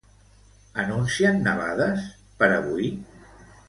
Anuncien nevades per avui?